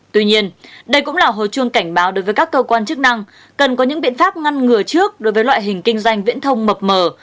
tuy nhiên đây cũng là hồi chuông cảnh báo đối với các cơ quan chức năng cần có những biện pháp ngăn ngừa trước đối với loại hình kinh doanh viễn thông mập mờ